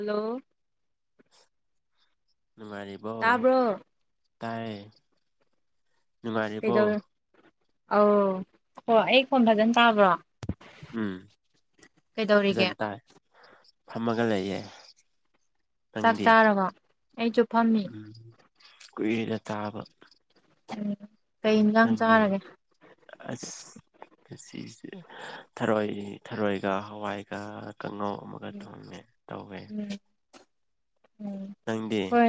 hello [inaudible] ꯃꯥꯔꯤꯕꯥꯎ ꯇꯥꯕ꯭ꯔꯣ ꯇꯔꯦ ꯉꯔꯤꯕꯣ ꯑ ꯍ ꯑꯩ ꯐꯣꯟ ꯐꯖꯅ ꯇꯥꯕ꯭ꯔꯣ ꯎꯝ ꯀꯩꯗꯧꯔꯤꯒꯦ ꯐꯖꯟ ꯇꯥꯏ ꯐꯝꯃꯒ ꯂꯩꯌꯦ ꯆꯥꯛ ꯅꯪꯗꯤ ꯆꯥꯔꯒ ꯑꯩꯁꯨ ꯐꯝꯃꯤ ꯎꯨꯏꯔ ꯇꯥꯕ ꯎꯝ ꯀꯩ ꯌꯦꯟꯖꯥꯡ ꯪ ꯆꯥꯔꯒꯦ ꯑꯁꯤ ꯊꯔꯣꯏ ꯊꯔꯣꯏꯒ ꯍꯋꯥꯏꯒ ꯀꯥꯡꯉꯧ ꯑꯃꯒ ꯎꯝ ꯊꯣꯡꯃꯦ ꯇꯧꯒꯦ ꯎꯝ ꯅꯪꯗꯦ ꯍꯣꯏ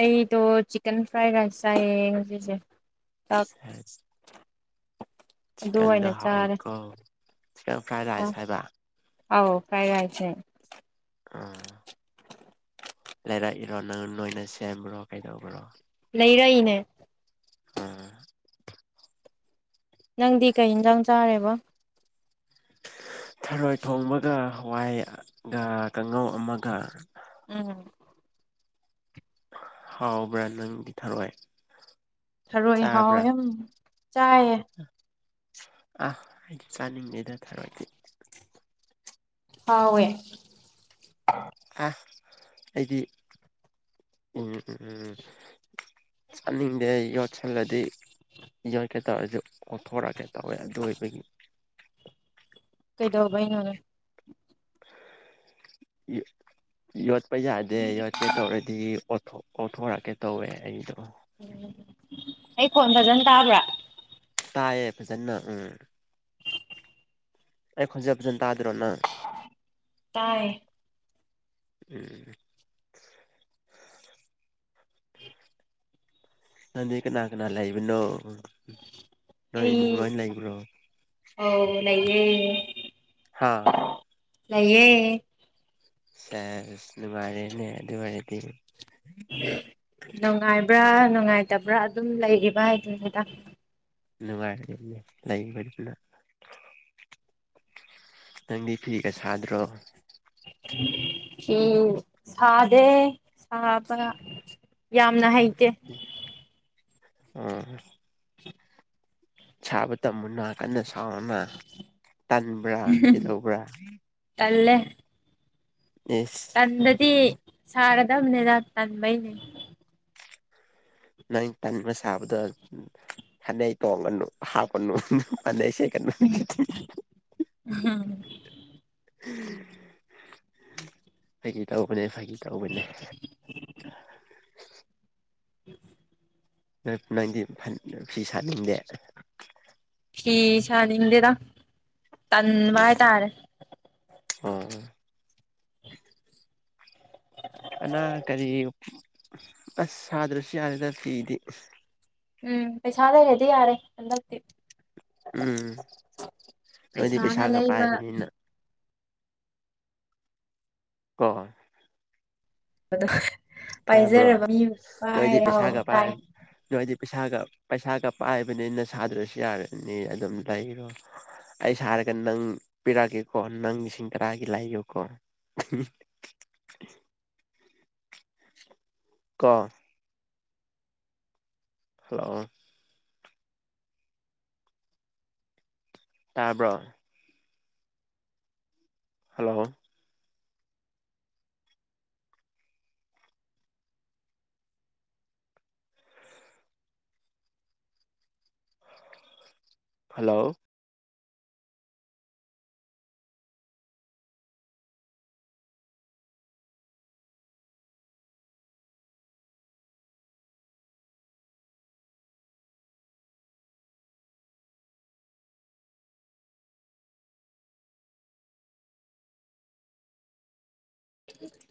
ꯑꯩꯗꯣ ꯆꯤꯛꯀꯟ ꯐ꯭ꯔꯥꯏ ꯔꯥꯏꯁ ꯆꯥꯏꯌꯦ ꯍꯧꯖꯤꯛꯁꯦ ꯑ ꯑꯗꯨ ꯆꯤꯛꯀꯟꯗꯣ ꯑꯣꯏꯅ ꯆꯥꯔꯦ ꯍꯥꯎꯋꯤꯀꯣ ꯆꯤꯛꯀꯟ ꯐ꯭ꯔꯥꯏ ꯔꯥꯏꯁ ꯍꯥꯏꯕ ꯑꯣ ꯀꯥꯏ ꯌꯥꯥꯏꯆ ꯑꯣ ꯂꯩꯔꯛꯏꯔꯣ ꯅꯪ ꯅꯣꯏꯅ ꯁꯦꯝꯕ꯭ꯔꯣ ꯀꯩꯗꯧꯕ꯭ꯔꯣ ꯂꯩꯔꯛꯏꯅꯦ ꯑꯝ ꯅꯪꯗꯤ ꯀꯩ ꯌꯦꯟꯖꯥꯡ ꯆꯥꯔꯦꯕ ꯊꯔꯣꯏ ꯊꯣꯡꯕꯒ ꯍꯋꯥꯏꯒ ꯀꯥꯡꯉꯧ ꯑꯃꯒ ꯎꯝ ꯍꯥꯎꯕ꯭ꯔꯥ ꯅꯪꯗꯤ ꯊꯔꯣꯏꯏ ꯊꯔꯣꯏ ꯍꯥꯎ ꯆꯥꯏꯌꯦ ꯑ ꯍꯥꯏꯦ ꯆꯅꯤꯡꯦ ꯑꯗꯨ ꯊꯥꯔꯛꯀꯤ ꯍꯥꯑꯣꯋꯦ ꯑ ꯑꯩꯗꯤ ꯎꯝ ꯎꯝꯝ ꯆꯠꯅꯤꯡꯗꯦ ꯌꯣꯠꯁꯜꯂꯗꯤ ꯌꯣꯠꯀꯦ ꯇꯧꯔꯁꯨ ꯑꯣꯊꯣꯔꯛꯀꯦ ꯇꯧꯋꯦ ꯑꯗꯨ ꯑꯣꯏꯕꯒꯤ ꯀꯩꯗꯧꯕ ꯑꯩꯅꯣꯅ ꯌꯣꯠ ꯆꯠꯄ ꯌꯥꯗꯦ ꯌꯣꯠꯀꯦ ꯇꯧꯔꯗꯤ ꯑꯣꯊꯣꯔꯛꯀꯦ ꯇꯧꯋꯦ ꯑꯩꯗꯣ ꯎ ꯑꯩ ꯐꯣꯟ ꯐꯖꯅ ꯇꯥꯕ꯭ꯔꯥ ꯇꯥꯏꯌꯦ ꯐꯖꯅ ꯎꯝ ꯑꯩ ꯈꯣꯟꯁ ꯐꯖꯅ ꯇꯥꯗꯣꯏꯔꯣ ꯅꯪ ꯇꯥꯏ ꯎꯝ ꯅ ꯀꯅꯥ ꯀꯅꯥ ꯂꯕꯅꯣ ꯑꯩ ꯑ ꯂꯩꯌꯦ ꯎꯝ ꯍꯥꯥ ꯅꯌꯦ ꯁꯦ ꯑꯗꯨꯃꯔꯦꯅꯦ ꯑꯗꯨ ꯑꯣꯏꯔꯦꯗꯤ ꯅꯨꯡꯉꯥꯏꯕ꯭ꯔꯥ ꯅꯨꯡꯉꯥꯏꯇꯕ꯭ꯔꯥ ꯑꯗꯨꯝ ꯂꯩꯔꯤꯕ ꯍꯥꯏꯗ ꯁꯤꯗ ꯅꯨꯡꯉꯥꯏ ꯂꯥꯏꯡꯕ ꯅꯪꯗꯤ ꯐꯔꯤ ꯄꯦꯁꯗ꯭ꯔꯣ ꯎꯝ ꯁꯥꯗꯦ ꯁꯥꯥꯕ ꯌꯥꯝꯅ ꯍꯩꯇꯦ ꯑꯝ ꯆꯥꯕ ꯇ ꯃꯟꯅ ꯐꯅ ꯁꯥꯎꯅ ꯇꯟꯕ꯭ꯔꯥ ꯀꯩꯗꯧꯕ꯭ꯔꯥ [inaudible] ꯏꯁ ꯀꯟꯗꯗꯤ ꯁꯥꯒꯗꯕꯅꯦꯗ ꯇꯟꯕꯩꯅꯦ ꯅꯪ ꯇꯥꯥꯟꯃ ꯁꯥꯕꯗ ꯐꯅꯩ ꯇꯣꯡꯉꯅꯨ ꯍꯥꯞꯀꯅꯨ ꯐꯅꯩꯁꯦ ꯎꯝ ꯍꯥ ꯑꯩ ꯇ ꯃꯅꯦ ꯐꯒꯦ ꯀꯎꯕꯅꯦ [inaudible] ꯅꯥꯏꯟꯇꯤ ꯐ ꯐꯤ ꯁꯥꯠꯅꯤꯡꯗꯦ ꯆꯅꯤꯗꯔ ꯎꯝ ꯇꯟꯅꯨꯡꯏ ꯇꯥꯔꯦ ꯑꯣ ꯑꯅꯥ ꯀꯔꯤ ꯑꯁ ꯁꯥꯗ꯭ꯔꯁꯨ ꯌꯥꯗꯦꯗ ꯐꯤꯗꯤ ꯎꯝ ꯄꯩꯁꯥ ꯂꯩꯔꯗꯤ ꯌꯥꯔꯦ ꯍꯟꯗꯛꯇꯤ ꯎꯝ ꯅꯣꯏꯗꯤ ꯄꯩꯁꯥꯅ ꯄꯩꯁꯥꯒ ꯂꯩꯕ ꯄꯥꯏꯕꯅꯤꯅ [unintelligible] ꯑꯗ ꯇꯥꯕ꯭ꯔꯣ ꯄꯥꯏꯖꯦꯔ ꯅꯣꯏꯗꯤ ꯑ ꯄꯩꯁꯥꯒ ꯄꯥꯏ ꯇꯥꯏ ꯅꯣꯏꯗꯤ ꯄꯩꯁꯥꯒ ꯄꯩꯁꯥꯒ ꯄꯥꯏꯕꯅꯤꯅ ꯁꯥꯗ꯭ꯔꯁꯨ ꯌꯥꯔꯅꯤ ꯑꯗꯨꯝ ꯂꯩꯔꯣ ꯑꯩ ꯁꯥꯔꯒ ꯅꯪ ꯄꯤꯔꯛꯑꯀꯦꯀꯣ ꯅꯪ ꯂꯤꯁꯤꯡ ꯇꯔꯥꯒꯤ ꯂꯩꯌꯨꯀꯣ ꯀꫭ ꯍꯜꯂꯣ ꯇꯔꯕ ꯍꯜꯂꯣ ꯍꯜꯂꯣ ꯎꯝ